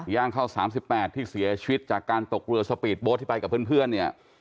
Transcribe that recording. ย่างเข้า๓๘ที่เสียชีวิตจากการตกเรือสปีดโบ๊ทที่ไปกับเพื่อนเนี่ย